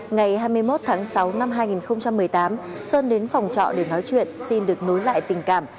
ngày hai mươi một tháng sáu năm hai nghìn một mươi tám sơn đến phòng trọ để nói chuyện xin được nối lại tình cảm